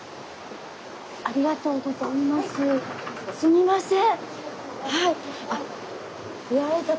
すみません。